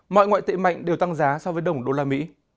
mọi ngoại tệ mạnh đều tăng giá so với đồng usd